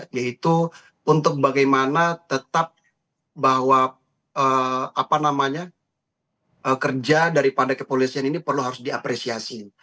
yaitu untuk bagaimana tetap bahwa kerja daripada kepolisian ini perlu harus diapresiasi